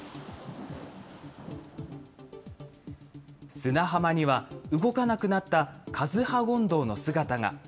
砂浜には動かなくなったカズハゴンドウの姿が。